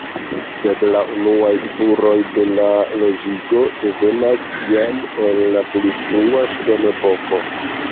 Sed la unuaj spuroj de la loĝigo devenas jam el la pli frua ŝtonepoko.